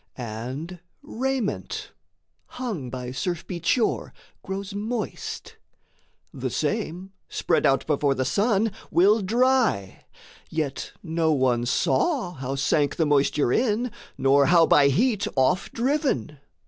And raiment, hung by surf beat shore, grows moist, The same, spread out before the sun, will dry; Yet no one saw how sank the moisture in, Nor how by heat off driven.